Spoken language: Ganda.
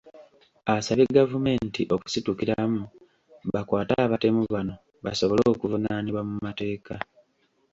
Asabye gavumenti okusitukiramu bakwate abatemu bano basobole okuvunaanibwa mu mateeka.